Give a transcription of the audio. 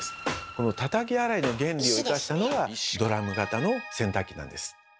このたたき洗いの原理を生かしたのがドラム型の洗濯機なんです。